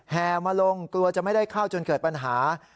แห่มาลงกลัวจะไม่ได้เข้าจนเกิดปัญหา